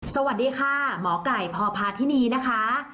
สวัสดีค่ะหมอไก่พพาธินีนะคะ